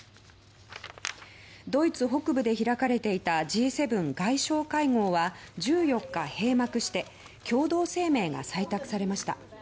ドイツ北部で開かれていたＧ７外相会合は１４日、閉幕して共同声明が採択されました。